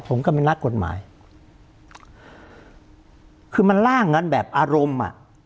ผมก็เป็นนักกฎหมายคือมันล่างกันแบบอารมณ์อ่ะ